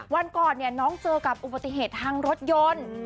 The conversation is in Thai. วันก่อนน้องเจอกับอุบัติเหตุทางรถยนต์